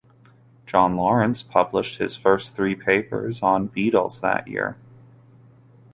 John Lawrence published his first three papers on beetles that year.